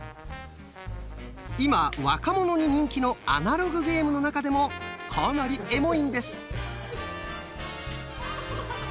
今若者に人気のアナログゲームの中でもかなり「エモい」んです。